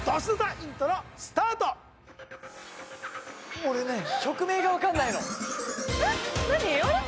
イントロスタート曲名が分かんないのえっ何？